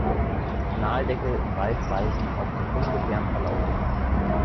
Kanaldeckel im Wald weisen auf den ungefähren Verlauf hin.